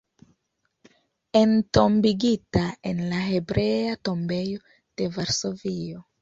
Entombigita en la Hebrea tombejo de Varsovio.